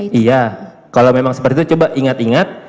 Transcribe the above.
iya kalau memang seperti itu coba ingat ingat